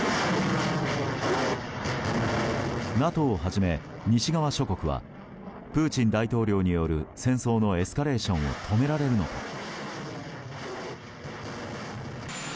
ＮＡＴＯをはじめ西側諸国はプーチン大統領による戦争のエスカレーションを止められるのか。